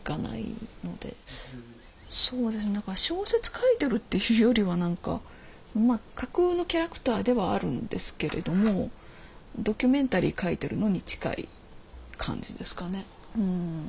そうですね何か小説書いてるっていうよりは何かまあ架空のキャラクターではあるんですけれどもドキュメンタリー書いてるのに近い感じですかね。